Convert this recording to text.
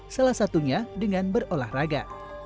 salah satunya dengan berolahraga